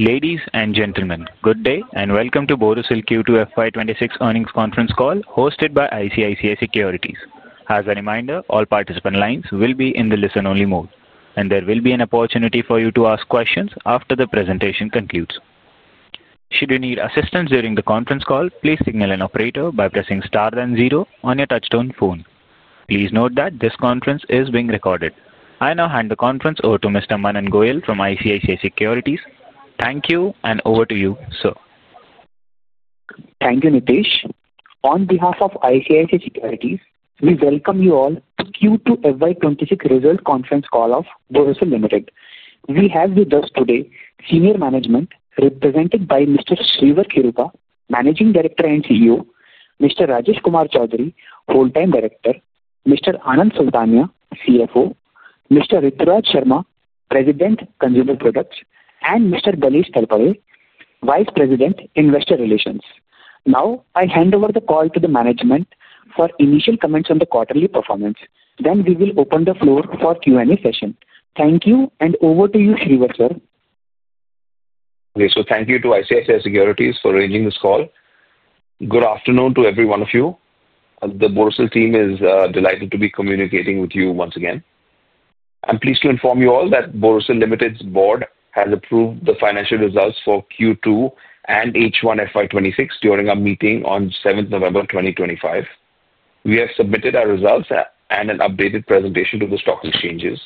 Ladies and gentlemen, good day and welcome to Borosil Q2 FY 2026 earnings conference call hosted by ICICI Securities. As a reminder, all participant lines will be in the listen-only mode, and there will be an opportunity for you to ask questions after the presentation concludes. Should you need assistance during the conference call, please signal an operator by pressing star then zero on your touchstone phone. Please note that this conference is being recorded. I now hand the conference over to Mr. Manan Goyal from ICICI Securities. Thank you, and over to you, sir. Thank you, Nitish. On behalf of ICICI Securities, we welcome you all to the Q2 FY 2026 results conference call of Borosil Ltd. We have with us today senior management represented by Mr. Sreevar Kheruka, Managing Director and CEO, Mr. Rajesh Kumar Chaudhary, Wholetime Director, Mr. Anand Sultania, CFO, Mr. Rituraj Sharma, President, Consumer Products, and Mr. Balesh Talapady, Vice President, Investor Relations. Now, I hand over the call to the management for initial comments on the quarterly performance. Then we will open the floor for Q&A session. Thank you, and over to you, Shreevar, sir. Okay, so thank you to ICICI Securities for arranging this call. Good afternoon to every one of you. The Borosil team is delighted to be communicating with you once again. I'm pleased to inform you all that Borosil Ltd's board has approved the financial results for Q2 and H1 FY 2026 during a meeting on 7 November 2025. We have submitted our results and an updated presentation to the stock exchanges,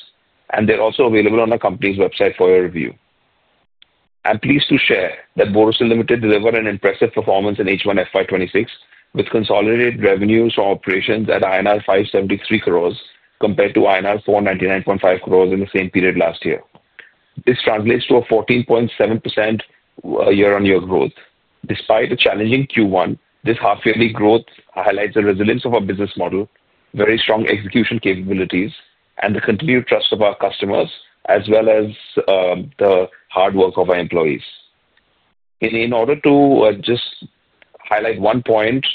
and they're also available on our company's website for your review. I'm pleased to share that Borosil Ltd delivered an impressive performance in H1 FY 2026 with consolidated revenues from operations at INR 573 crores compared to INR 499.5 crores in the same period last year. This translates to a 14.7% year-on-year growth. Despite a challenging Q1, this half-yearly growth highlights the resilience of our business model, very strong execution capabilities, and the continued trust of our customers, as well as the hard work of our employees. In order to just highlight one point,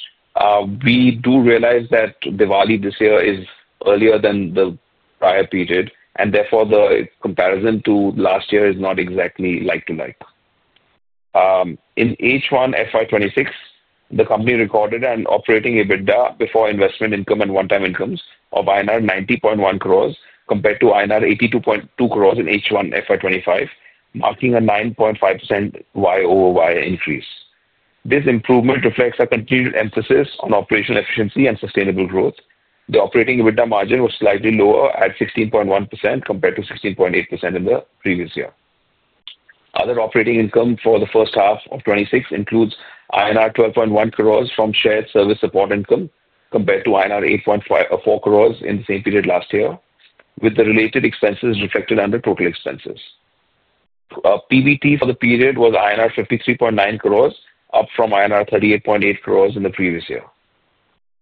we do realize that Diwali this year is earlier than the prior period, and therefore the comparison to last year is not exactly like to like. In H1 FY 2026, the company recorded an operating EBITDA before investment income and one-time incomes of INR 90.1 crores compared to INR 82.2 crores in H1 FY 2025, marking a 9.5% YoY increase. This improvement reflects a continued emphasis on operational efficiency and sustainable growth. The operating EBITDA margin was slightly lower at 16.1% compared to 16.8% in the previous year. Other operating income for the first half of 2026 includes INR 12.1 crores from shared service support income compared to INR 8.4 crores in the same period last year, with the related expenses reflected under total expenses. PBT for the period was INR 53.9 crores, up from INR 38.8 crores in the previous year.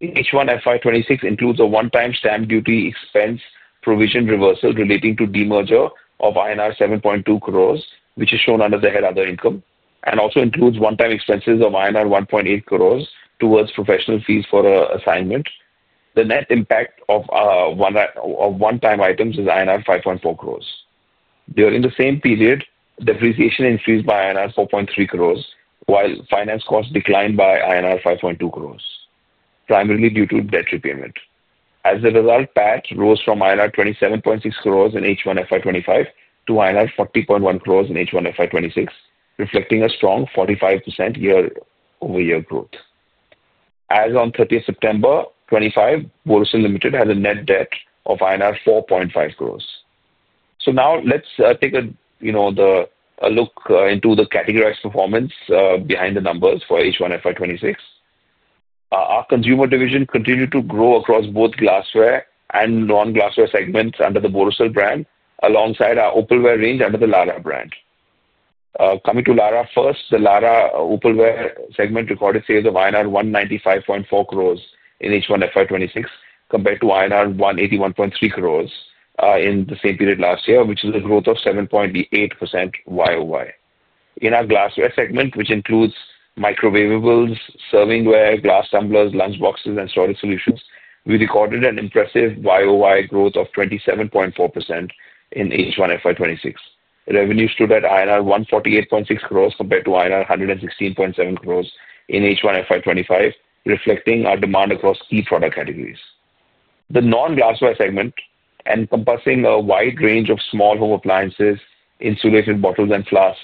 H1 FY 2026 includes a one-time stamp duty expense provision reversal relating to demerger of INR 7.2 crores, which is shown under the head other income, and also includes one-time expenses of INR 1.8 crores towards professional fees for assignment. The net impact of one-time items is INR 5.4 crores. During the same period, depreciation increased by INR 4.3 crores, while finance costs declined by INR 5.2 crores, primarily due to debt repayment. As a result, PAT rose from INR 27.6 crores in H1 FY 2025 to INR 40.1 crores in H1 FY 2026, reflecting a strong 45% year-over-year growth. As of 30th September 2025, Borosil Ltd has a net debt of INR 4.5 crores. Now let's take a look into the categorized performance behind the numbers for H1 FY 2026. Our consumer division continued to grow across both Glassware and Non-Glassware segments under the Borosil brand, alongside our Opalware range under the Larah brand. Coming to Larah first, the Larah Opalware segment recorded sales of INR 195.4 crores in H1 FY 2026 compared to INR 181.3 crores in the same period last year, which is a growth of 7.8% YoY. In our Glassware segment, which includes microwavables, serving-ware, glass tumblers, lunch boxes, and storage solutions, we recorded an impressive YoY growth of 27.4% in H1 FY 2026. Revenues stood at INR 148.6 crores compared to INR 116.7 crores in H1 FY 2025, reflecting our demand across key product categories. The Non-Glassware segment, encompassing a wide range of small home appliances, insulated bottles and flasks,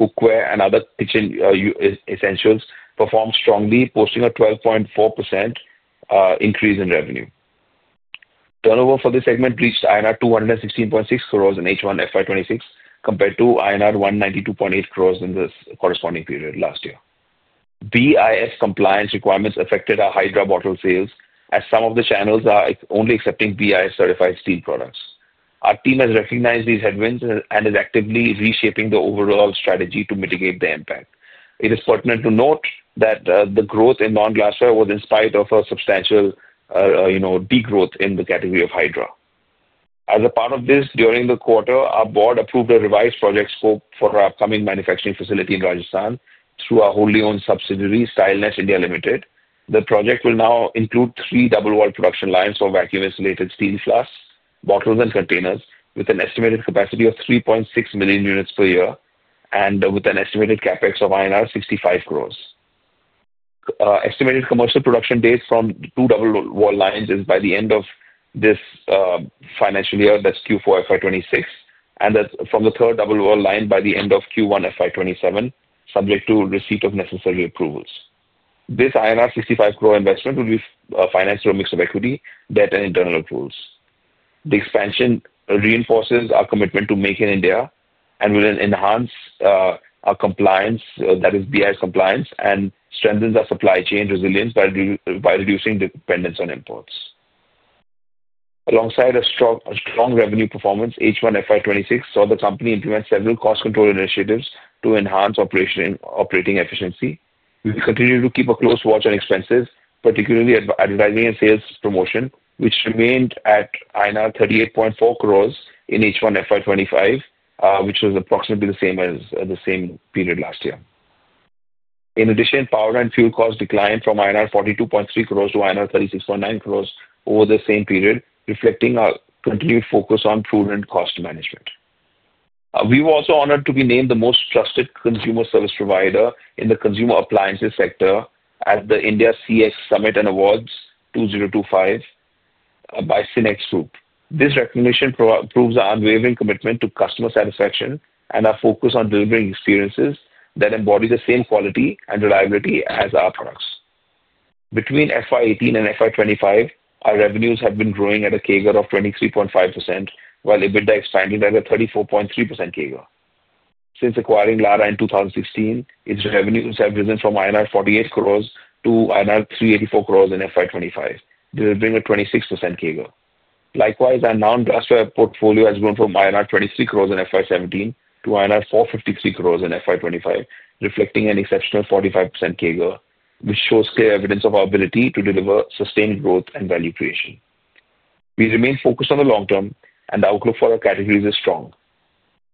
cookware, and other kitchen essentials, performed strongly, posting a 12.4% increase in revenue. Turnover for this segment reached INR 216.6 crores in H1 FY 2026 compared to INR 192.8 crores in the corresponding period last year. BIS compliance requirements affected our Hydra bottle sales, as some of the channels are only accepting BIS-certified steam products. Our team has recognized these headwinds and is actively reshaping the overall strategy to mitigate the impact. It is pertinent to note that the growth in Non-Glassware was in spite of a substantial degrowth in the category of Hydra. As a part of this, during the quarter, our board approved a revised project scope for our upcoming manufacturing facility in Rajasthan through our wholly-owned subsidiary, Styleness India Limited. The project will now include three double-wall production lines for vacuum-insulated steam flasks, bottles, and containers, with an estimated capacity of 3.6 million units per year and with an estimated CapEx of INR 65 crores. Estimated commercial production dates from two double-wall lines is by the end of this financial year, that's Q4 FY 2026, and from the third double-wall line by the end of Q1 FY 2027, subject to receipt of necessary approvals. This INR 65 crore investment will be financed through a mix of equity, debt, and internal tools. The expansion reinforces our commitment to Make in India and will enhance our compliance, that is BIS compliance, and strengthens our supply chain resilience by reducing dependence on imports. Alongside a strong revenue performance, H1 FY 2026 saw the company implement several cost control initiatives to enhance operating efficiency. We will continue to keep a close watch on expenses, particularly advertising and sales promotion, which remained at INR 38.4 crores in H1 FY 2025, which was approximately the same as the same period last year. In addition, power and fuel costs declined from INR 42.3 crores to INR 36.9 crores over the same period, reflecting our continued focus on food and cost management. We were also honored to be named the most trusted consumer service provider in the consumer appliances sector at the India CISO Summit & Awards 2025 by Synnex Group. This recognition proves our unwavering commitment to customer satisfaction and our focus on delivering experiences that embody the same quality and reliability as our products. Between FY 2018 and FY 2025, our revenues have been growing at a CAGR of 23.5%, while EBITDA is standing at a 34.3% CAGR. Since acquiring Larah in 2016, its revenues have risen from INR 48 crore to INR 384 crore in FY 2025, delivering a 26% CAGR. Likewise, our Non-Glassware portfolio has grown from INR 23 crore in FY 2017 to INR 453 crore in FY 2025, reflecting an exceptional 45% CAGR, which shows clear evidence of our ability to deliver sustained growth and value creation. We remain focused on the long term, and the outlook for our categories is strong.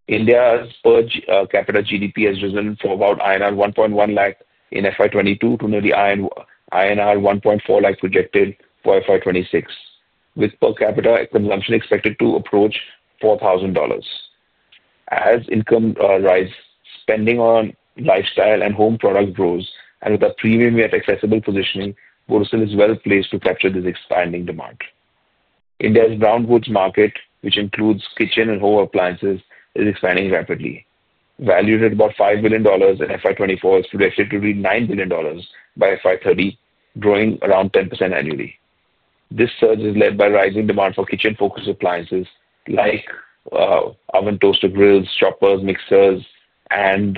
India's per capita GDP has risen from about INR 1.1 lakh in FY 2022 to nearly INR 1.4 lakh projected for FY 2026, with per capita consumption expected to approach $4,000. As income rises, pending on lifestyle and home product growth, and with a premium yet accessible positioning, Borosil is well placed to capture this expanding demand. India's brown goods market, which includes kitchen and home appliances, is expanding rapidly. Valued at about $5 billion in FY 2024, it should have shifted to $9 billion by FY 2030, growing around 10% annually. This surge is led by rising demand for kitchen-focused appliances like oven, toaster, grills, choppers, mixers, and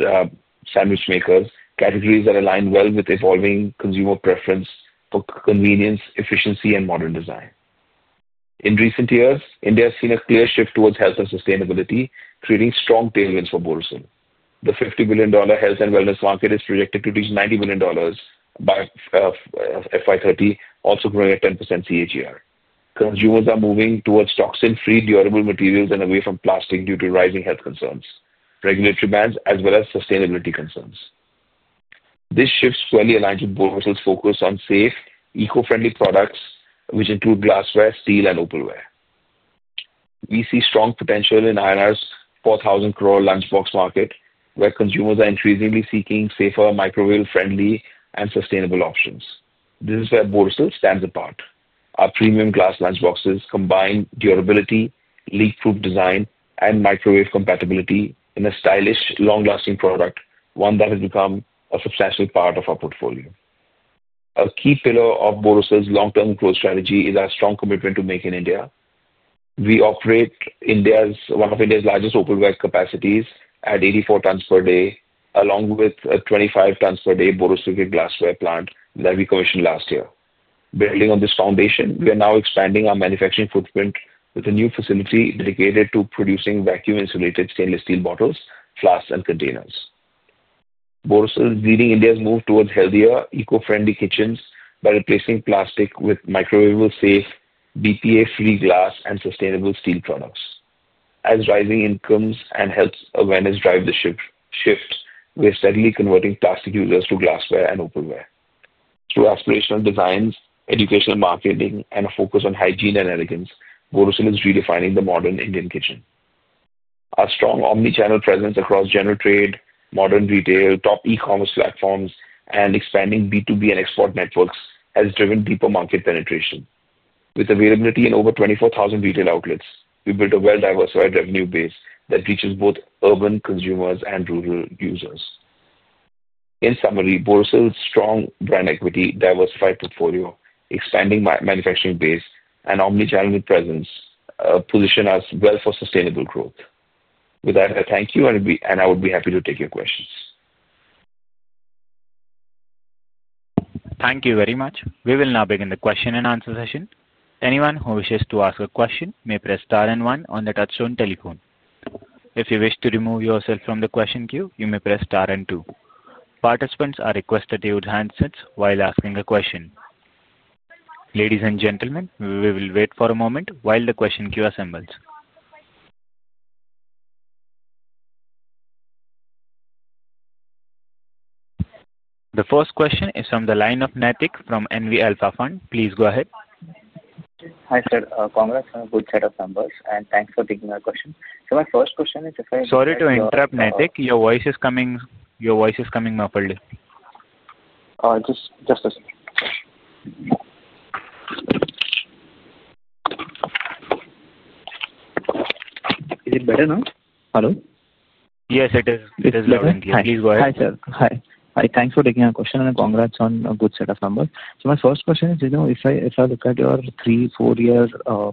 sandwich makers, categories that align well with evolving consumer preference for convenience, efficiency, and modern design. In recent years, India has seen a clear shift towards health and sustainability, creating strong tailwinds for Borosil. The $50 billion health and wellness market is projected to reach $90 billion by FY 2030, also growing at 10% CAGR. Consumers are moving towards toxin-free, durable materials, and away from plastic due to rising health concerns, regulatory demands, as well as sustainability concerns. This shift squarely aligns with Borosil's focus on safe, eco-friendly products, which include Glassware, Steel, and Opalware. We see strong potential in 4,000 crore lunch box market, where consumers are increasingly seeking safer, microwave-friendly, and sustainable options. This is where Borosil stands apart. Our premium glass lunch boxes combine durability, leak-proof design, and microwave compatibility in a stylish, long-lasting product, one that has become a substantial part of our portfolio. A key pillar of Borosil's long-term growth strategy is our strong commitment to Make in India. We operate one of India's largest opalware capacities at 84 tons per day, along with a 25 tons per day Borosil glassware plant that we commissioned last year. Building on this foundation, we are now expanding our manufacturing footprint with a new facility dedicated to producing vacuum-insulated stainless steel bottles, flasks, and containers. Borosil is leading India's move towards healthier, eco-friendly kitchens by replacing plastic with microwave-safe, BPA-free glass and sustainable steam products. As rising incomes and health awareness drive the shift, we are steadily converting plastic users to Glassware and Opalware. Through aspirational designs, educational marketing, and a focus on hygiene and elegance, Borosil is redefining the modern Indian kitchen. Our strong omnichannel presence across general trade, modern retail, top e-commerce platforms, and expanding B2B and export networks has driven deeper market penetration. With availability in over 24,000 retail outlets, we built a well-diversified revenue base that reaches both urban consumers and rural users. In summary, Borosil's strong brand equity, diversified portfolio, expanding manufacturing base, and omnichannel presence position us well for sustainable growth. With that, I thank you, and I would be happy to take your questions. Thank you very much. We will now begin the question and answer session. Anyone who wishes to ask a question may press star and one on the touchstone telephone. If you wish to remove yourself from the question queue, you may press star and two. Participants are requested to use handsets while asking a question. Ladies and gentlemen, we will wait for a moment while the question queue assembles. The first question is from the line of Naitik from NV Alpha Fund. Please go ahead. Hi sir, congrats on a good set of numbers, and thanks for taking my question. So my first question is if I— Sorry to interrupt, Naitik, your voice is coming—your voice is coming muffled. Just a second. Is it better now? Hello? Yes, it is. It is better. Please go ahead. Hi sir. Hi. Thanks for taking our question, and congrats on a good set of numbers. My first question is, you know, if I look at your three, four years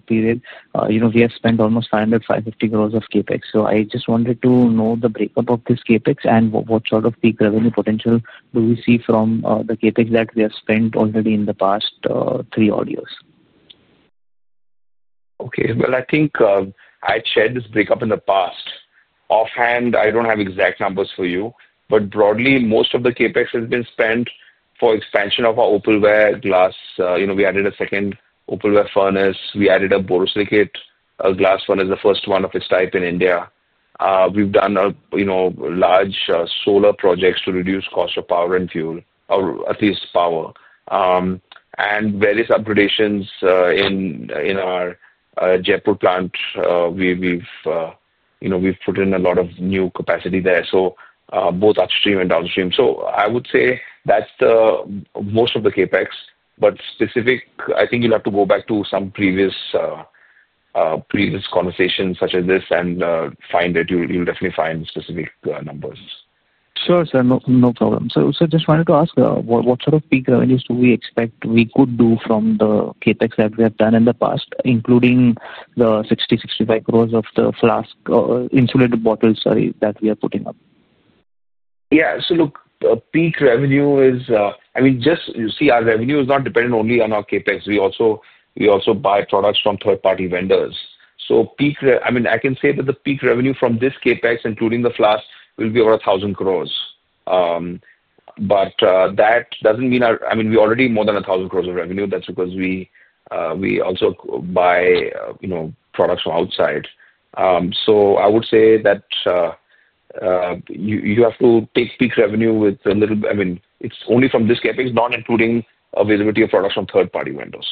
period, you know, we have spent almost 500 crores-550 crores of CapEx. I just wanted to know the breakup of this CapEx and what sort of peak revenue potential do we see from the CapEx that we have spent already in the past three or four years? Okay, I think I'd shared this breakup in the past. Offhand, I don't have exact numbers for you, but broadly, most of the CapEx has been spent for expansion of our opalware glass. You know, we added a second opalware furnace. We added a borosilicate glass furnace, the first one of its type in India. We've done a, you know, large solar projects to reduce cost of power and fuel, or at least power, and various upgradations in our Jaipur plant. We've put in a lot of new capacity there, both upstream and downstream. I would say that's most of the CapEx, but specific, I think you'll have to go back to some previous conversations such as this and find it. You'll definitely find specific numbers. Sure, sir, no problem. I just wanted to ask, what sort of peak revenues do we expect we could do from the CapEx that we have done in the past, including the 60 crores-65 crores of the flask or insulated bottles, sorry, that we are putting up? Yeah, look, peak revenue is, I mean, just you see, our revenue is not dependent only on our CapEx. We also buy products from third-party vendors. Peak, I mean, I can say that the peak revenue from this CapEx, including the flask, will be over 1,000 crore. That does not mean our, I mean, we already have more than 1,000 crore of revenue. That is because we also buy, you know, products from outside. I would say that you have to take peak revenue with a little, I mean, it is only from this CapEx, not including a visibility of products from third-party vendors.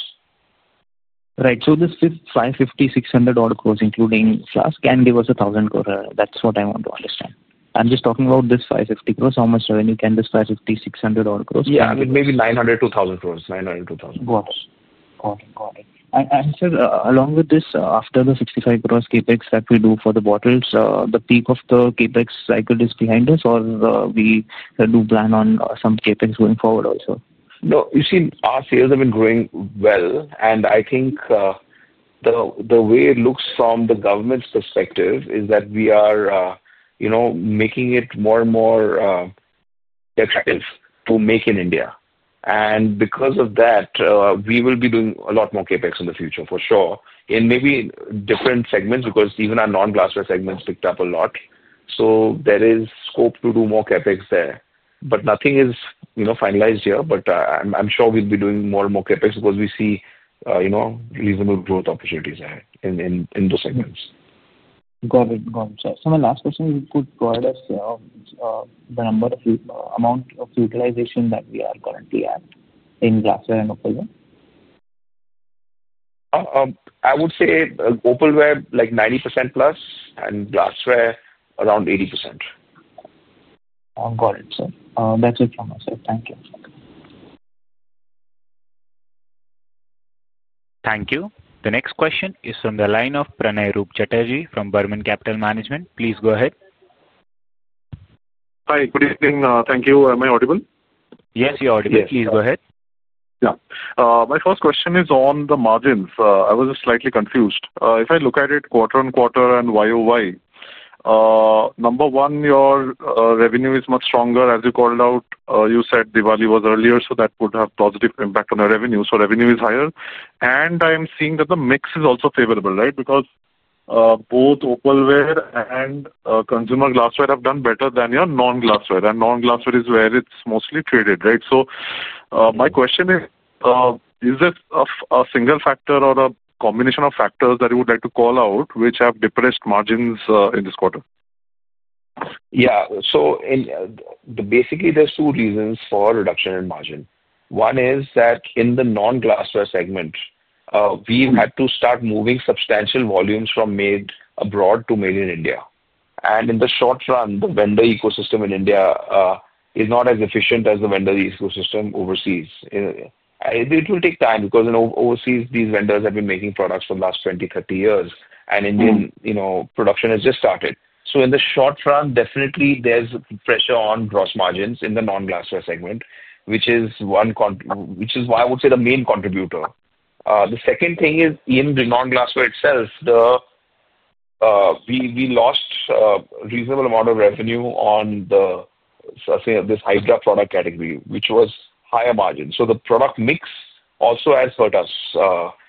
Right, so this 550 crore-600 crore including flask and there was 1,000 crore. That is what I want to understand. I am just talking about this 550 crore. How much revenue can this 550 crore-600 crore? Yeah, I mean, maybe 900 crore-1,000 crore. 900 crore-1,000 crore. Got it. Got it. Sir, along with this, after the 65 crore CapEx that we do for the bottles, the peak of the CapEx cycle is behind us, or we do plan on some capex going forward also? No, you see, our sales have been growing well, and I think the way it looks from the government's perspective is that we are, you know, making it more and more attractive to Make in India. Because of that, we will be doing a lot more CapEx in the future, for sure, in maybe different segments because even our Non-Glassware segments picked up a lot. There is scope to do more CapEx there. Nothing is, you know, finalized here, but I'm sure we'll be doing more and more capex because we see, you know, reasonable growth opportunities in the segments. Got it. Got it. Sir, so my last question, if you could provide us the number of amount of utilization that we are currently at in Glassware and Opalware? I would say Opalware like 90%+ and Glassware around 80%. Got it, sir. That's it from my side. Thank you. Thank you. The next question is from the line of Pranay Roop Chatterjee from Burman Capital Management. Please go ahead. Hi, good evening. Thank you. Am I audible? Yes, you're audible. Please go ahead. Yeah. My first question is on the margins. I was just slightly confused. If I look at it quarter on quarter and YoY, number one, your revenue is much stronger. As you called out, you said Diwali was earlier, so that would have a positive impact on our revenue. So revenue is higher. And I am seeing that the mix is also favorable, right? Because both Opalware and consumer Glassware have done better than your Non-Glassware. Non-Glassware is where it's mostly traded, right? My question is, is this a single factor or a combination of factors that you would like to call out which have depressed margins in this quarter? Yeah, so basically there's two reasons for reduction in margin. One is that in the Non-Glassware segment, we've had to start moving substantial volumes from made abroad to made in India. In the short run, the vendor ecosystem in India is not as efficient as the vendor ecosystem overseas. It will take time because, you know, overseas, these vendors have been making products for the last 20, 30 years, and Indian, you know, production has just started. In the short run, definitely there's pressure on gross margins in the Non-Glassware segment, which is one, which is why I would say the main contributor. The second thing is in the Non-Glassware itself, we lost a reasonable amount of revenue on the, let's say, this Hydra product category, which was higher margin. The product mix also has hurt us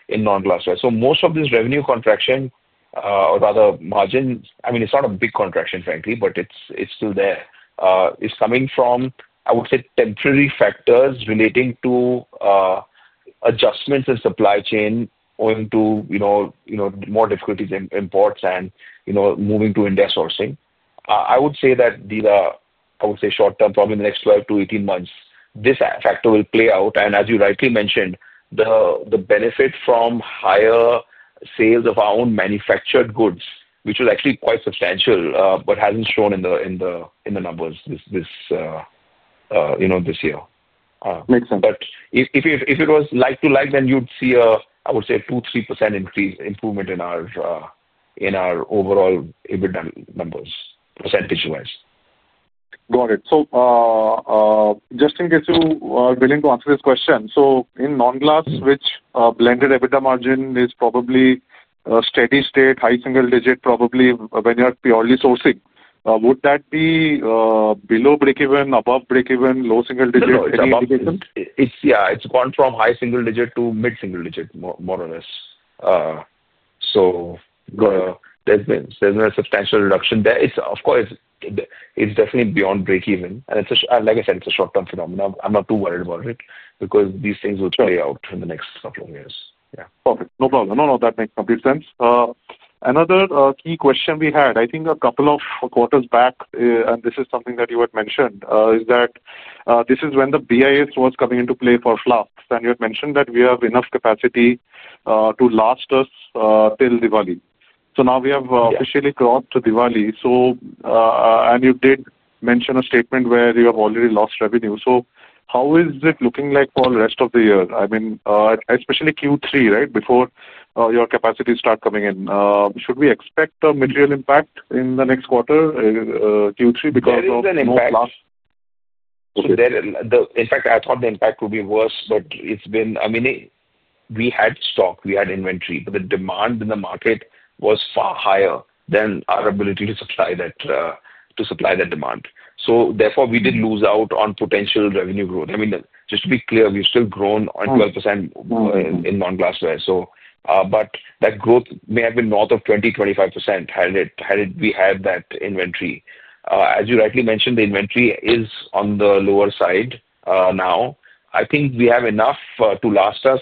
in Non-Glassware. Most of this revenue contraction, or rather margin, I mean, it's not a big contraction, frankly, but it's still there. It's coming from, I would say, temporary factors relating to adjustments in supply chain owing to, you know, more difficulties in imports and, you know, moving to India sourcing. I would say that these are, I would say, short term, probably in the next 12-18 months, this factor will play out. As you rightly mentioned, the benefit from higher sales of our own manufactured goods, which is actually quite substantial, but has not shown in the numbers this year. Makes sense. If it was like to like, then you would see a, I would say, 2%-3% improvement in our overall EBITDA numbers, percentage-wise. Got it. Just in case you are willing to answer this question, in non-glass, which blended EBITDA margin is probably steady state, high single digit, probably when you are purely sourcing. Would that be below breakeven, above breakeven, low single digit? Yeah, it has gone from high single digit to mid single digit, more or less. There has been a substantial reduction there. Of course, it is definitely beyond breakeven. Like I said, it is a short-term phenomenon. I'm not too worried about it because these things will play out in the next couple of years. Yeah. Perfect. No problem. No, no, that makes complete sense. Another key question we had, I think a couple of quarters back, and this is something that you had mentioned, is that this is when the BIS was coming into play for flasks. And you had mentioned that we have enough capacity to last us till Diwali. So now we have officially crossed to Diwali. And you did mention a statement where you have already lost revenue. So how is it looking like for the rest of the year? I mean, especially Q3, right, before your capacity starts coming in. Should we expect a material impact in the next quarter, Q3, because of more flasks? In fact, I thought the impact would be worse, but it's been, I mean, we had stock, we had inventory, but the demand in the market was far higher than our ability to supply that demand. Therefore, we did lose out on potential revenue growth. I mean, just to be clear, we've still grown 12% in Non-Glassware. That growth may have been north of 20%-25% had we had that inventory. As you rightly mentioned, the inventory is on the lower side now. I think we have enough to last us.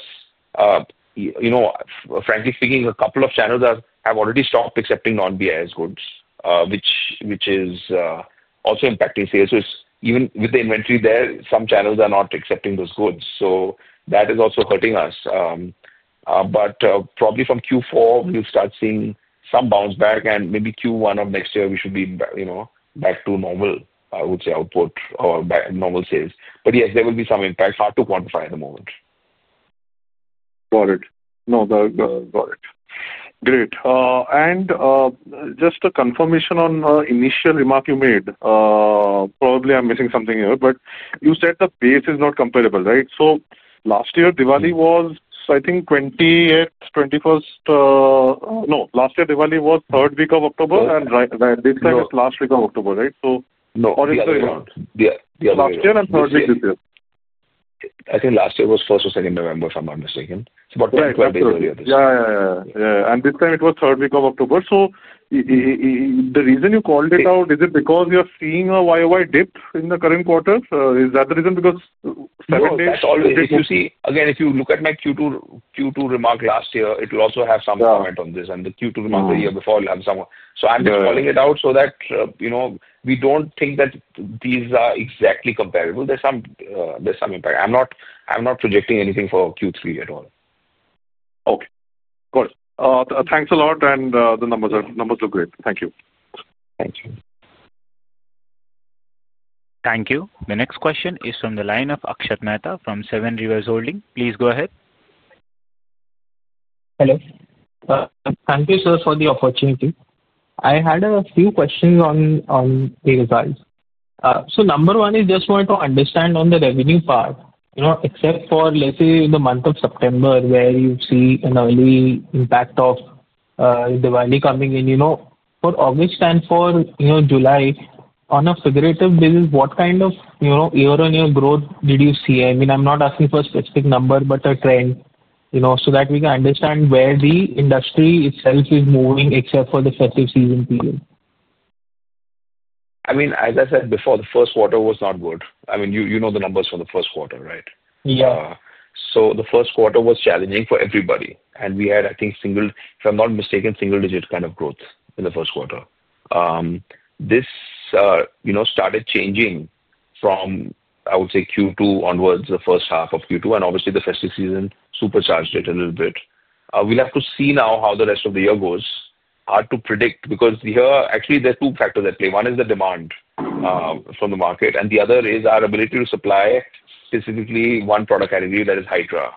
You know, frankly speaking, a couple of channels have already stopped accepting non-BIS goods, which is also impacting sales. Even with the inventory there, some channels are not accepting those goods. That is also hurting us. Probably from Q4, we will start seeing some bounce back, and maybe Q1 of next year, we should be, you know, back to normal, I would say, output or normal sales. Yes, there will be some impact. Hard to quantify at the moment. Got it. No, got it. Great. Just a confirmation on the initial remark you made. Probably I am missing something here, but you said the base is not comparable, right? Last year, Diwali was, I think, 28th, 21st? No, last year, Diwali was third week of October, and this time it is last week of October, right? Or is it around? Yes, last year and third week this year. I think last year was 1st or 2nd November, if I am not mistaken. About 12 days earlier this year. Yes, yes, yes. This time it was third week of October. The reason you called it out, is it because you're seeing a YoY dip in the current quarter? Is that the reason? Because seven days? You see, again, if you look at my Q2 remark last year, it will also have some comment on this. And the Q2 remark the year before will have some. I'm just calling it out so that, you know, we don't think that these are exactly comparable. There's some impact. I'm not projecting anything for Q3 at all. Okay. Got it. Thanks a lot. The numbers look great. Thank you. Thank you. Thank you. The next question is from the line of Akshat Mehta from Seven Rivers Holding. Please go ahead. Hello. Thank you, sir, for the opportunity. I had a few questions on the results. Number one is just wanted to understand on the revenue part, you know, except for, let's say, in the month of September, where you see an early impact of Diwali coming in, you know, for August and for, you know, July, on a figurative basis, what kind of, you know, year-on-year growth did you see? I mean, I'm not asking for a specific number, but a trend, you know, so that we can understand where the industry itself is moving except for the festive season period. I mean, as I said before, the first quarter was not good. I mean, you know the numbers for the first quarter, right? Yeah. The first quarter was challenging for everybody. And we had, I think, single, if I'm not mistaken, single-digit kind of growth in the first quarter. This, you know, started changing from, I would say, Q2 onwards, the first half of Q2. Obviously, the festive season supercharged it a little bit. We'll have to see now how the rest of the year goes. Hard to predict because here, actually, there are two factors at play. One is the demand from the market, and the other is our ability to supply specifically one product category that is Hydra.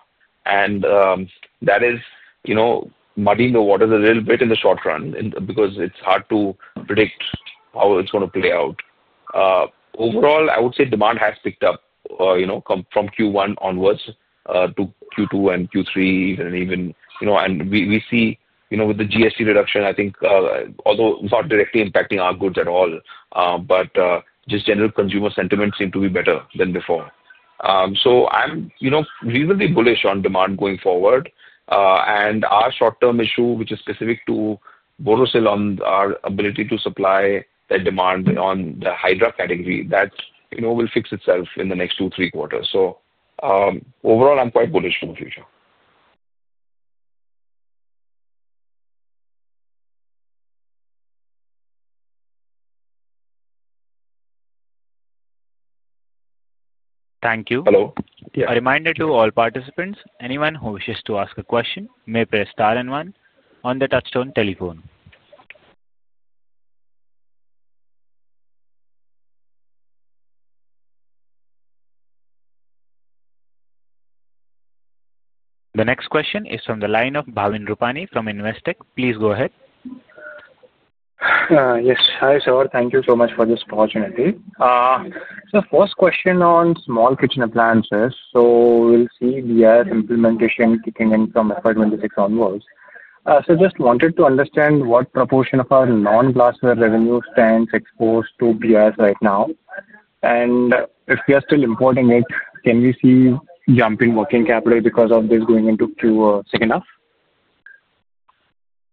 That is, you know, muddying the waters a little bit in the short run because it's hard to predict how it's going to play out. Overall, I would say demand has picked up, you know, from Q1 onwards to Q2 and Q3, and even, you know, and we see, you know, with the GST reduction, I think, although it's not directly impacting our goods at all, just general consumer sentiment seemed to be better than before. I'm, you know, reasonably bullish on demand going forward. Our short-term issue, which is specific to Borosil on our ability to supply that demand on the Hydra category, that, you know, will fix itself in the next two-three quarters. Overall, I'm quite bullish for the future. Thank you. Hello. A reminder to all participants, anyone who wishes to ask a question may press star and one on the touchstone telephone. The next question is from the line of Bhavin Rupani from Investec. Please go ahead. Yes. Hi, sir. Thank you so much for this opportunity. First question on small kitchen appliances. We'll see BIS implementation kicking in from April onwards. Just wanted to understand what proportion of our Non-glassware revenue stands exposed to BIS right now. If we are still importing it, can we see jumping working capital because of this going into Q2 or second half?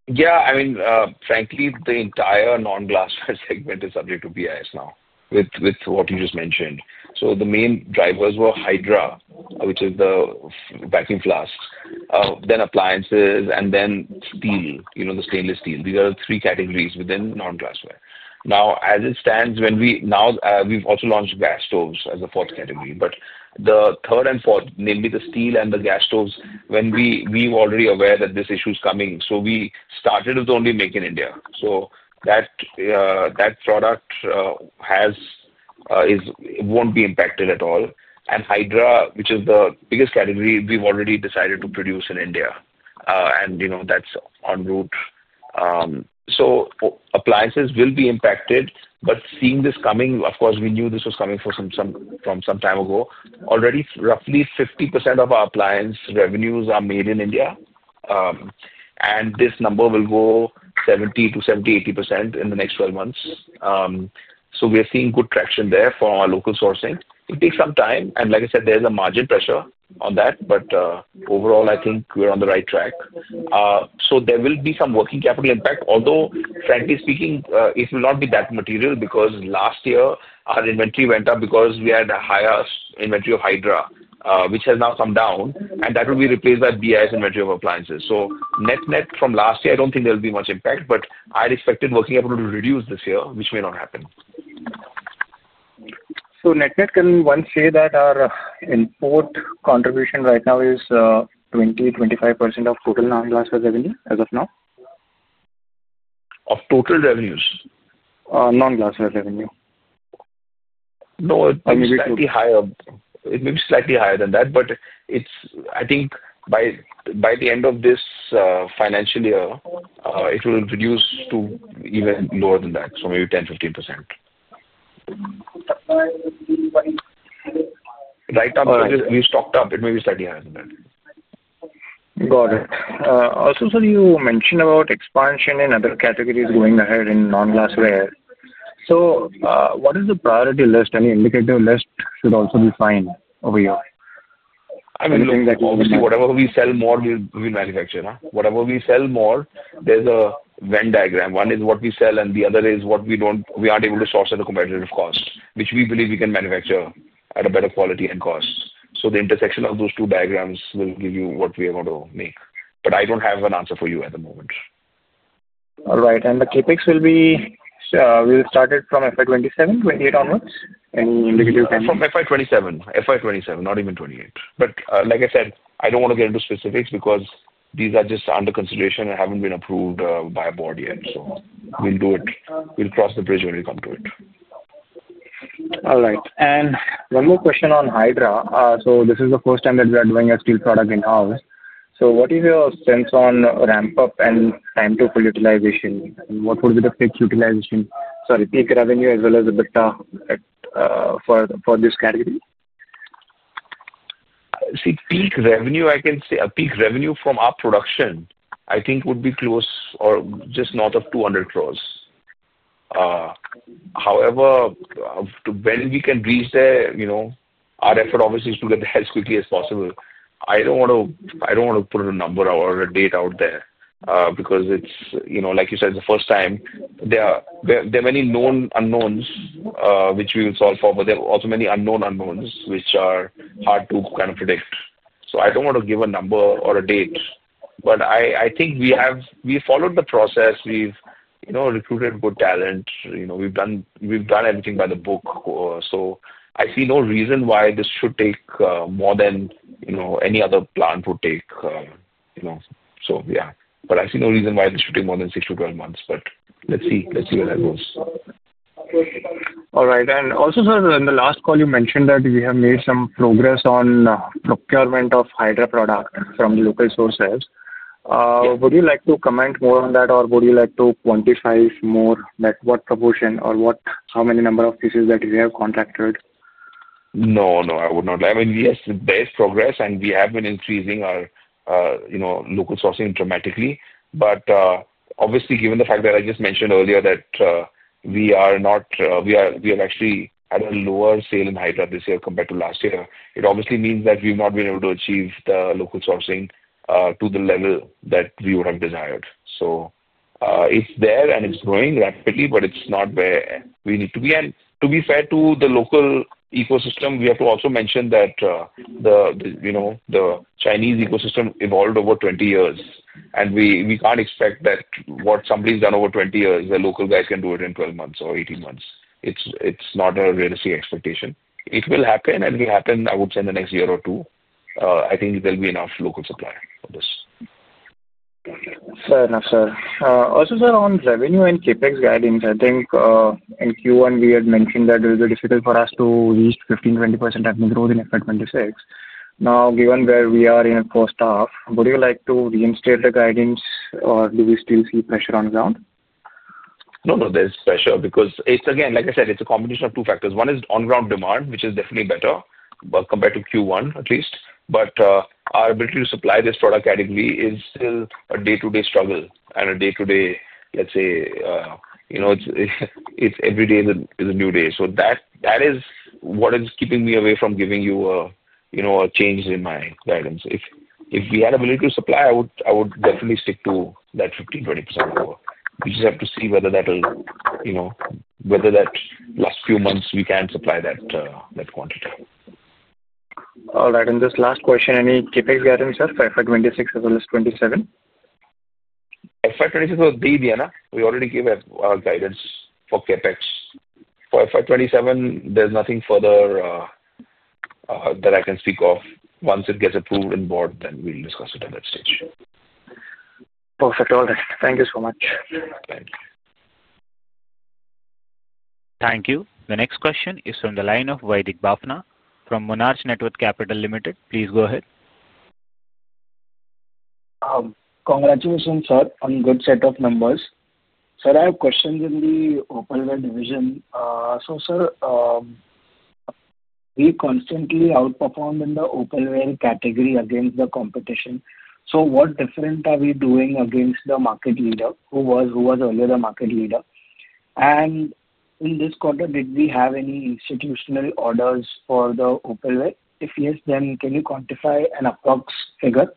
Yeah, I mean, frankly, the entire Non-Glassware segment is subject to BIS now with what you just mentioned. The main drivers were Hydra, which is the vacuum flasks, then appliances, and then Steel, you know, the Stainless Steel. These are the three categories within Non-Glassware. Now, as it stands, we have also launched Gas Stoves as a fourth category. The third and fourth, namely the Steel and the Gas Stoves, we were already aware that this issue is coming. We started with only Make in India. That product will not be impacted at all. Hydra, which is the biggest category, we have already decided to produce in India, and, you know, that is en route. Appliances will be impacted, but seeing this coming, of course, we knew this was coming from some time ago. Already, roughly 50% of our appliance revenues are made in India. This number will go 70%-80% in the next 12 months. We're seeing good traction there for our local sourcing. It takes some time. Like I said, there's a margin pressure on that. Overall, I think we're on the right track. There will be some working capital impact, although, frankly speaking, it will not be that material because last year, our inventory went up because we had a higher inventory of Hydra, which has now come down. That will be replaced by BIS inventory of appliances. Net-net from last year, I do not think there will be much impact, but I expected working capital to reduce this year, which may not happen. Net-net, can we once say that our import contribution right now is 20%-25% of total Non-glassware revenue as of now? Of total revenues? Non-Glassware revenue. No, it may be slightly higher. It may be slightly higher than that, but I think by the end of this financial year, it will reduce to even lower than that, so maybe 10%-15%. Right now, we have stocked up. It may be slightly higher than that. Got it. Also, sir, you mentioned about expansion in other categories going ahead in Non-Glassware. What is the priority list? Any indicative list would also be fine over here. I mean, obviously, whatever we sell more, we will manufacture. Whatever we sell more, there is a Venn diagram. One is what we sell, and the other is what we aren't able to source at a competitive cost, which we believe we can manufacture at a better quality and cost. The intersection of those two diagrams will give you what we are going to make. I don't have an answer for you at the moment. All right. The CapEx will be started from FY 2027, 2028 onwards? Any indicative time? From FY 2027. FY 2027, not even 2028. Like I said, I don't want to get into specifics because these are just under consideration and haven't been approved by a board yet. We will cross the bridge when we come to it. All right. One more question on Hydra. This is the first time that we are doing a steel product in-house. What is your sense on ramp-up and time to full utilization? What would be the peak utilization, sorry, peak revenue as well as EBITDA for this category? Peak revenue, I can say, a peak revenue from our production, I think, would be close or just north of 200 crore. However, when we can reach there, you know, our effort obviously is to get there as quickly as possible. I do not want to put a number or a date out there because it is, you know, like you said, the first time, there are many known unknowns, which we will solve for, but there are also many unknown unknowns, which are hard to kind of predict. I do not want to give a number or a date. I think we have followed the process. We have recruited good talent. You know, we have done everything by the book. I see no reason why this should take more than, you know, any other plant would take. You know, yeah. I see no reason why this should take more than six to twelve months. Let's see where that goes. All right. Also, sir, in the last call, you mentioned that you have made some progress on procurement of Hydra products from the local sources. Would you like to comment more on that, or would you like to quantify more, what proportion or how many number of pieces that you have contracted? No, no, I would not. I mean, yes, there is progress, and we have been increasing our, you know, local sourcing dramatically. Obviously, given the fact that I just mentioned earlier that we are not, we are actually at a lower sale in Hydra this year compared to last year, it obviously means that we've not been able to achieve the local sourcing to the level that we would have desired. It is there, and it is growing rapidly, but it is not where we need to be. To be fair to the local ecosystem, we have to also mention that, you know, the Chinese ecosystem evolved over 20 years. We cannot expect that what somebody has done over 20 years, the local guy can do it in 12 months or 18 months. It is not a realistic expectation. It will happen, and it will happen, I would say, in the next year or two. I think there will be enough local supply for this. Fair enough, sir. Also, sir, on revenue and CapEx guidance, I think in Q1, we had mentioned that it was difficult for us to reach 15%-20% revenue growth in FY 2026. Now, given where we are in a cost arc, would you like to reinstate the guidance, or do we still see pressure on ground? No, no, there's pressure because it's, again, like I said, it's a combination of two factors. One is on-ground demand, which is definitely better compared to Q1, at least. But our ability to supply this product category is still a day-to-day struggle and a day-to-day, let's say, you know, it's every day is a new day. That is what is keeping me away from giving you a, you know, a change in my guidance. If we had ability to supply, I would definitely stick to that 15%-20% more. We just have to see whether that'll, you know, whether that last few months we can supply that quantity. All right. And this last question, any CapEx guidance, sir, for FY 2026 as well as FY 2027? FY 2026 was deemed yet, we already gave our guidance for CapEx. For FY 2027, there's nothing further that I can speak of. Once it gets approved in board, then we'll discuss it at that stage. Perfect. All right. Thank you so much. Thank you. The next question is from the line of Vaidik Bafna from Monarch Network Capital Ltd. Please go ahead. Congratulations, sir, on a good set of numbers. Sir, I have questions in the Opalware division. So, sir, we constantly outperformed in the Opalware category against the competition. What different are we doing against the market leader who was earlier the market leader? In this quarter, did we have any institutional orders for the Opalware? If yes, then can you quantify an approximate figure?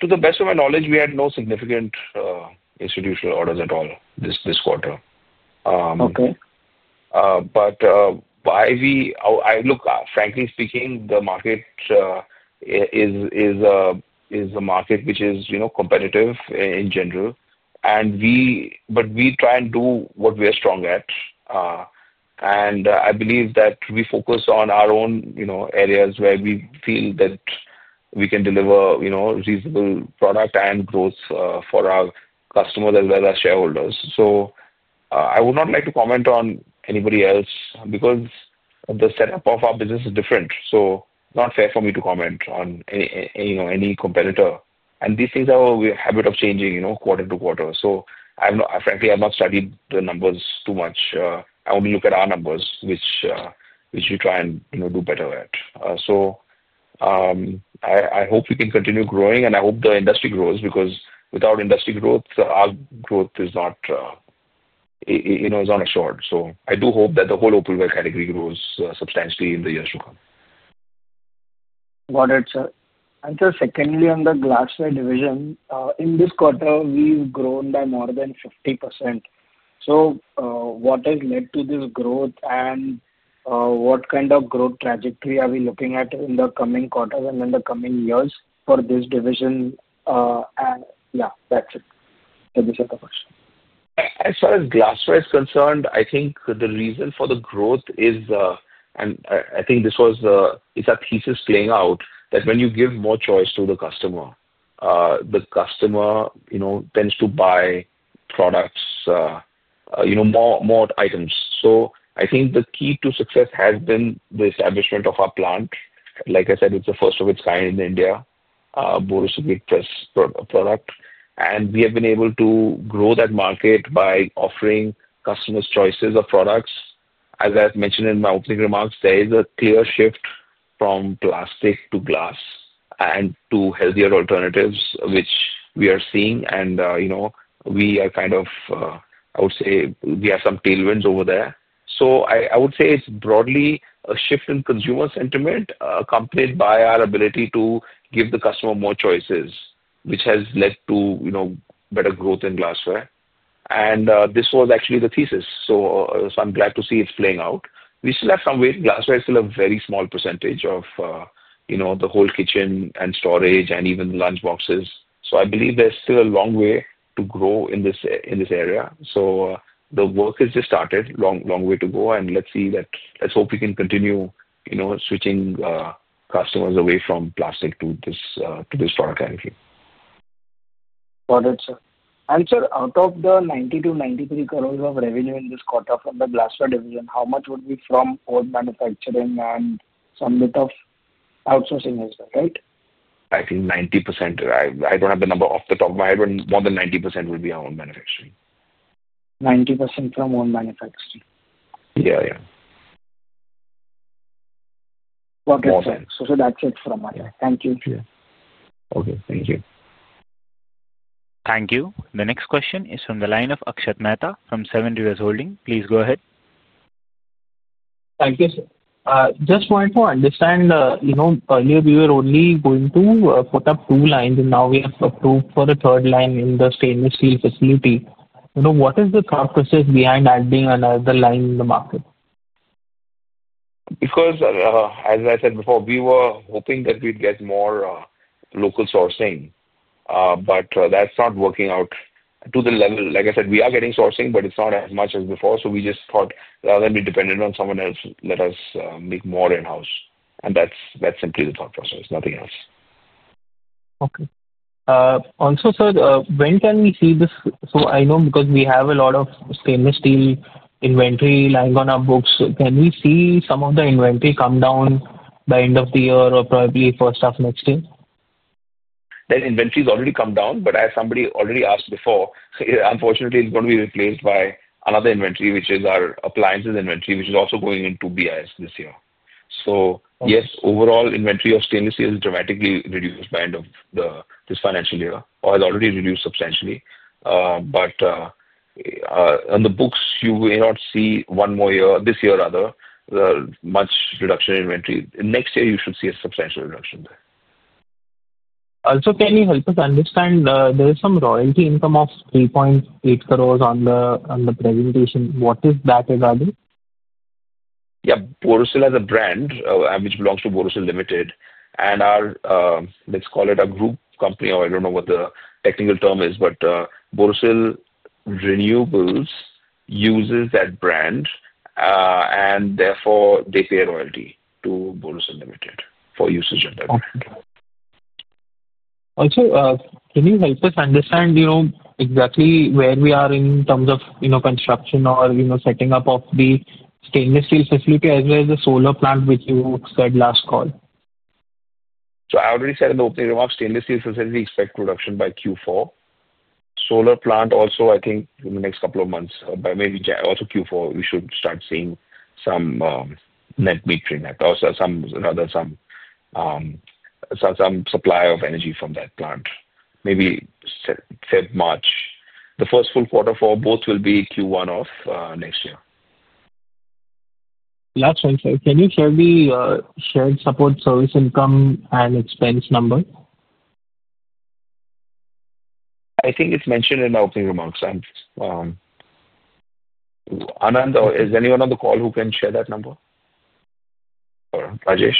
To the best of my knowledge, we had no significant institutional orders at all this quarter. Okay. Why we—I look, frankly speaking, the market is a market which is, you know, competitive in general. We try and do what we are strong at. I believe that we focus on our own, you know, areas where we feel that we can deliver, you know, reasonable product and growth for our customers as well as our shareholders. I would not like to comment on anybody else because the setup of our business is different. It is not fair for me to comment on any competitor. These things have a habit of changing, you know, quarter to quarter. I'm not, frankly, I've not studied the numbers too much. I only look at our numbers, which we try and, you know, do better at. I hope we can continue growing, and I hope the industry grows because without industry growth, our growth is, you know, is on a short. I do hope that the whole opalware category grows substantially in the years to come. Got it, sir. Sir, secondly, on the Glassware division, in this quarter, we've grown by more than 50%. What has led to this growth, and what kind of growth trajectory are we looking at in the coming quarters and in the coming years for this division? Yeah, that's it. That'd be second question. As far as Glassware is concerned, I think the reason for the growth is, and I think this was the—it's a thesis laying out that when you give more choice to the customer, the customer, you know, tends to buy products, you know, more items. I think the key to success has been the establishment of our plant. Like I said, it's the first of its kind in India, Borosil Press product. We have been able to grow that market by offering customers choices of products. As I have mentioned in my opening remarks, there is a clear shift from plastic to glass and to healthier alternatives, which we are seeing. You know, we are kind of, I would say we have some tailwinds over there. I would say it's broadly a shift in consumer sentiment accompanied by our ability to give the customer more choices, which has led to, you know, better growth in Glassware. This was actually the thesis. I'm glad to see it's playing out. We still have some way. Glassware is still a very small percentage of, you know, the whole kitchen and storage and even lunch boxes. I believe there's still a long way to grow in this area. The work has just started. Long way to go. Let's see that. Let's hope we can continue, you know, switching customers away from plastic to this product category. Got it, sir. Sir, out of the 90 crore-93 crore of revenue in this quarter from the Glassware division, how much would be from old manufacturing and some bit of outsourcing as well, right? I think 90%. I don't have the number off the top of my head, but more than 90% would be our own manufacturing. 90% from own manufacturing. Yeah, yeah. Okay, sir. So that's it from my side. Thank you. Okay, thank you. Thank you. The next question is from the line of Akshat Mehta from Seven Rivers Holding. Please go ahead. Thank you, sir. Just so I understand, you know, earlier we were only going to put up two lines, and now we have approved for a third line in the Stainless Steel facility. You know, what is the thought process behind adding another line in the market? Because, as I said before, we were hoping that we'd get more local sourcing. But that's not working out to the level. Like I said, we are getting sourcing, but it's not as much as before. We just thought, rather than be dependent on someone else, let us make more in-house. That is simply the thought process. Nothing else. Okay. Also, sir, when can we see this? I know because we have a lot of Stainless Steel inventory lying on our books. Can we see some of the inventory come down by end of the year or probably first half next year? That inventory has already come down, but as somebody already asked before, unfortunately, it is going to be replaced by another inventory, which is our appliances inventory, which is also going into BIS this year. Yes, overall inventory of Stainless Steel is dramatically reduced by end of this financial year. It has already reduced substantially. On the books, you may not see, for one more year, this year rather, much reduction in inventory. Next year, you should see a substantial reduction there. Also, can you help us understand there is some royalty income of 3.8 crore on the presentation. What is that, Rodolphe? Yeah, Borosil as a brand, which belongs to Borosil Ltd. And our, let's call it a group company, or I don't know what the technical term is, but Borosil Renewables uses that brand. And therefore, they pay a royalty to Borosil Ltdd for usage and revenue. Also, can you help us understand, you know, exactly where we are in terms of, you know, construction or, you know, setting up of the Stainless Steel facility as well as the solar plant, which you said last call? I already said in the opening remarks, Stainless Steel facility expects production by Q4. Solar plant also, I think, in the next couple of months, by maybe also Q4, we should start seeing some net neutrina, some rather some supply of energy from that plant. Maybe February, March. The first full quarter for both will be Q1 of next year. Last one, sir, can you share the shared support service income and expense number? I think it's mentioned in the opening remarks. Anand, is anyone on the call who can share that number? Or Rajesh?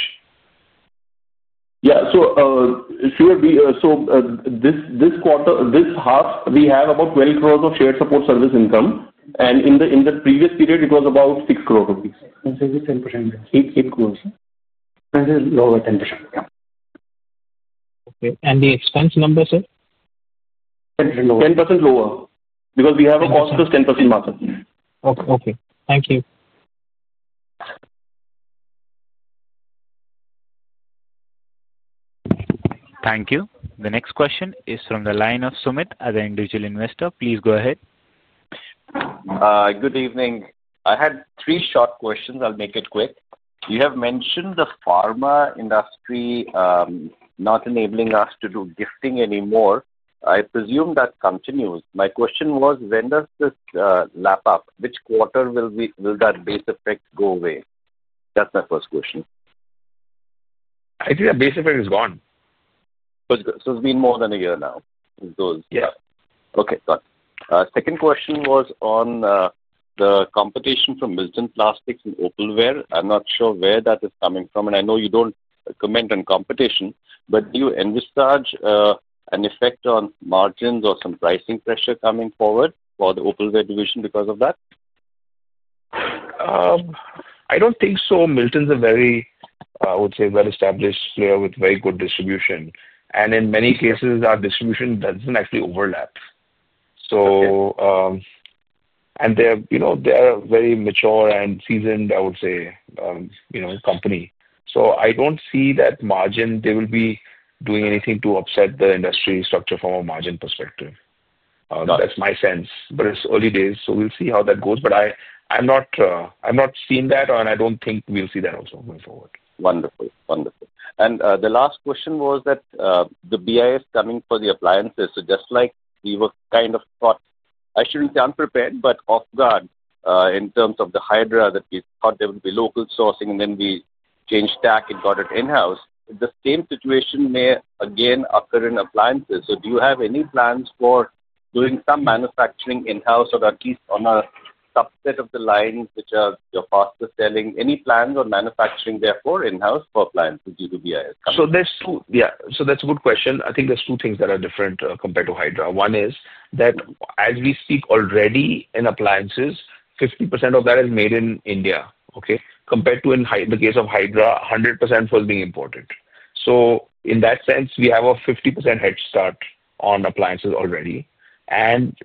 Yeah, so sure. So this quarter, this half, we have about 20 crore of shared support service income. And in the previous period, it was about 6 crore rupees of this. And so this 10%. 18 crore. And then lower 10%. Okay. And the expense number, sir? 10% lower. Because we have a cost +10% market. Okay. Okay. Thank you. Thank you. The next question is from the line of Sumit as an individual investor. Please go ahead. Good evening. I had three short questions. I'll make it quick. You have mentioned the pharma industry not enabling us to do gifting anymore. I presume that continues. My question was, when does this lap up? Which quarter will that base effect go away? That's my first question. I think that base effect is gone. So it's been more than a year now. Yeah. Okay. Got it. Second question was on the competition from Milton Plastics and Opalware. I'm not sure where that is coming from. And I know you don't comment on competition, but do you envisage an effect on margins or some pricing pressure coming forward for the Opalware division because of that? I don't think so. Milton's a very, I would say, well-established player with very good distribution. In many cases, our distribution does not actually overlap. They are a very mature and seasoned, I would say, you know, company. I do not see that margin. They will be doing anything to upset the industry structure from a margin perspective. That is my sense. It is early days. We will see how that goes. I am not seeing that, and I do not think we will see that also going forward. Wonderful. Wonderful. The last question was that the BIS coming for the appliances. Just like we were kind of thought, I should not say unprepared, but off guard in terms of the Hydra that we thought there would be local sourcing, and then we changed tack and got it in-house. The same situation may again occur in appliances. Do you have any plans for doing some manufacturing in-house or at least on a subset of the lines which are your faster selling? Any plans on manufacturing therefore in-house for appliances due to BIS coming? There are two, yeah. That is a good question. I think there are two things that are different compared to Hydra. One is that as we speak already in appliances, 50% of that is made in India, okay? Compared to in the case of Hydra, 100% will be imported. In that sense, we have a 50% head start on appliances already.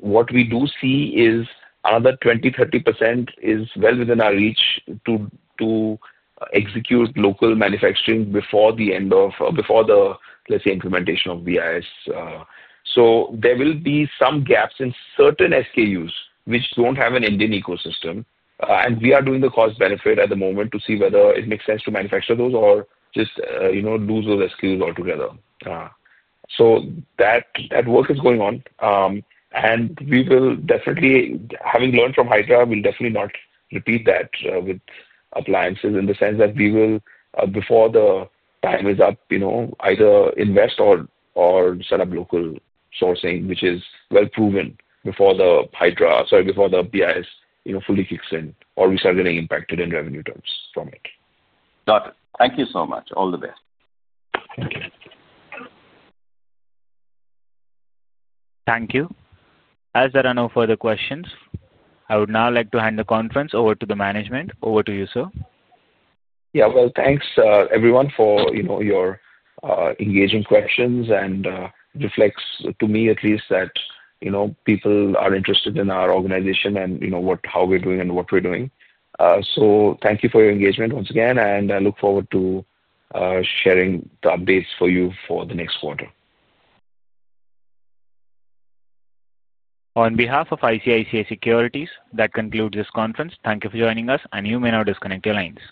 What we do see is another 20%-30% is well within our reach to execute local manufacturing before the end of, before the, let's say, implementation of BIS. There will be some gaps in certain SKUs which do not have an Indian ecosystem. We are doing the cost benefit at the moment to see whether it makes sense to manufacture those or just, you know, lose those SKUs altogether. That work is going on. We will definitely, having learned from Hydra, not repeat that with appliances in the sense that we will, before the time is up, either invest or set up local sourcing, which is well proven before the Hydra, sorry, before the BIS fully kicks in, or we start getting impacted in revenue terms from it. Got it. Thank you so much. All the best. Thank you. Thank you. As there are no further questions, I would now like to hand the conference over to the management. Over to you, sir. Yeah, well, thanks everyone for, you know, your engaging questions and reflects to me at least that, you know, people are interested in our organization and, you know, how we're doing and what we're doing. So thank you for your engagement once again, and I look forward to sharing the updates for you for the next quarter. On behalf of ICICI Securities, that concludes this conference. Thank you for joining us, and you may now disconnect your lines.